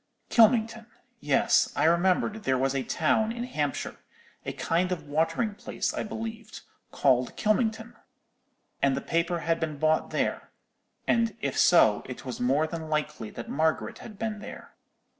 Kylmington; yes, I remembered there was a town in Hampshire,—a kind of watering place, I believed,—called Kylmington! And the paper had been bought there—and if so, it was more than likely that Margaret had been there.